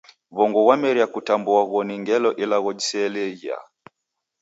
W'ongo ghwameria kutambua ghoni ngelo ilagho jiseeliagha.